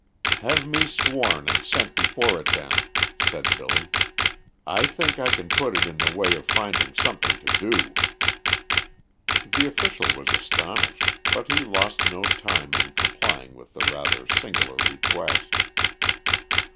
"Have me sworn and sent before it then," said Billy. "I think I can put it in the way of finding something to do." The official was astonished, but he lost no time in complying with the rather singular request.